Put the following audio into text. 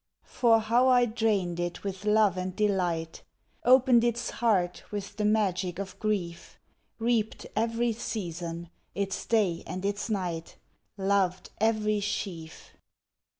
For, how I drained it with love and delight! Opened its heart with the magic of grief! Reaped every season its day and its night! Loved every sheaf!